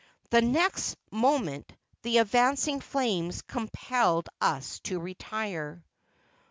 The next moment the advancing flames compelled us to retire.